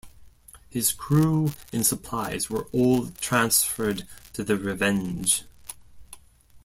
His crew and supplies were all transferred to the "Revenge".